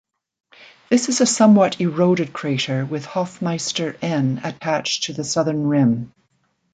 This is a somewhat eroded crater with Hoffmeister N attached to the southern rim.